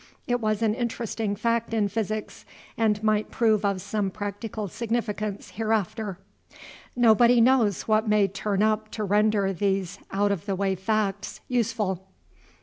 It was an interesting fact in physics, and might prove of some practical significance hereafter. Nobody knows what may turn up to render these out of the way facts useful.